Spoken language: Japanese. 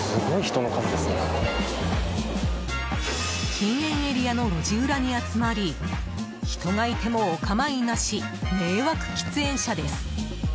禁煙エリアの路地裏に集まり人がいてもお構いなし迷惑喫煙者です。